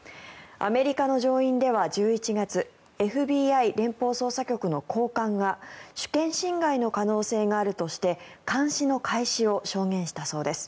アメリカの上院では１１月ＦＢＩ・連邦捜査局の高官が主権侵害の可能性があるとして監視の開始を証言したそうです。